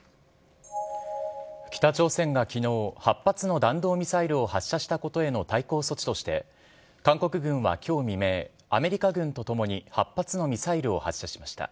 北朝鮮がきのう、８発の弾道ミサイルを発射したことへの対抗措置として、韓国軍はきょう未明、アメリカ軍とともに８発のミサイルを発射しました。